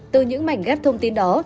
từ những mảnh ghép thông tin đó